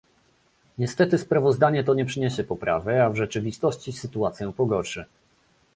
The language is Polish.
Niestety sprawozdanie to nie przyniesie poprawy, a w rzeczywistości sytuację pogorszy